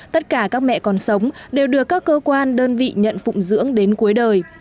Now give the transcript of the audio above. tất cả các mẹ còn sống đều được các cơ quan đơn vị nhận phụng dưỡng đến cuối đời